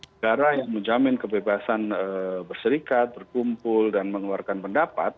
negara yang menjamin kebebasan berserikat berkumpul dan mengeluarkan pendapat